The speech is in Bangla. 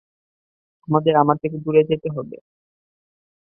তোমাদের আমার থেকে দূরে যেতে হবে।